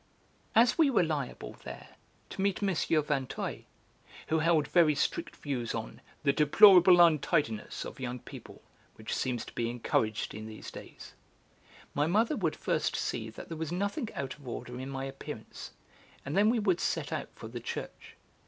As we were liable, there, to meet M. Vinteuil, who held very strict views on "the deplorable untidiness of young people, which seems to be encouraged in these days," my mother would first see that there was nothing out of order in my appearance, and then we would set out for the church.